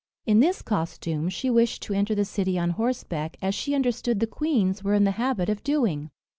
In this costume, she wished to enter the city on horseback, as she understood the queens were in the habit of doing.